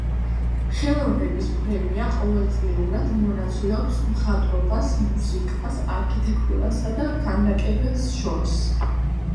ხელოვნების პრემია ყოველწლიურად მონაცვლეობს მხატვრობას, მუსიკას, არქიტექტურასა და ქანდაკებას შორის.